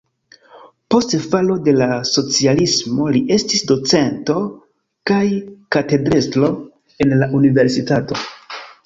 Post falo de la socialismo li estis docento kaj katedrestro en la universitato.